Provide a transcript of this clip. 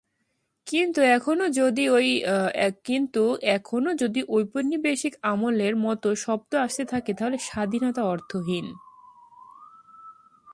কিন্তু এখনো যদি ঔপনিবেশিক আমলের মতো শব্দ আসতে থাকে, তাহলে স্বাধীনতা অর্থহীন।